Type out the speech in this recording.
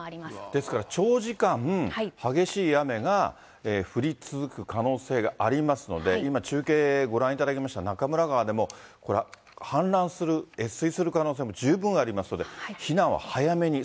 ですから、長時間、激しい雨が降り続く可能性がありますので、今、中継ご覧いただきました中村川でも、これ、氾濫する、越水する可能性も十分ありますので、避難は早めに。